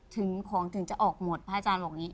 ถึงของถึงจะออกหมดพระอาจารย์บอกอย่างนี้